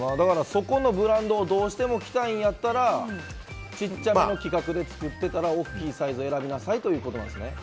そこのブランドをどうしても着たいんやったら、小さな規格で作ってたら、大きいサイズ選びなさいってことなんですね。